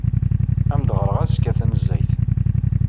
Ad am-d-ɣreɣ azekka tanezzayt.